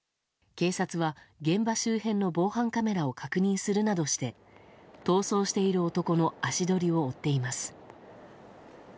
警察は現場周辺の防犯カメラを確認するなどして逃走している男の足取りを追っています。